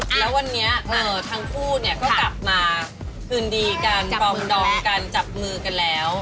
แล้ววันนี้ทั้งคู่เนี่ยก็กลับมาคืนดีกันปองดองกันจับมือกันแล้ว